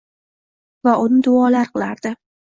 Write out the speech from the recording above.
va uni duolar qilardi.